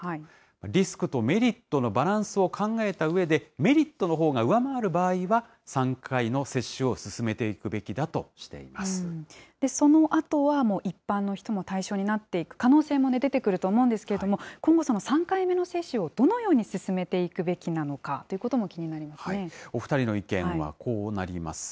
リスクとメリットのバランスを考えたうえで、メリットのほうが上回る場合は３回の接種を進めていくべきだとしそのあとは、一般の人も対象になっていく可能性も出てくると思うんですけれども、今後、３回目の接種をどのように進めていくべきなのかというお２人の意見はこうなります。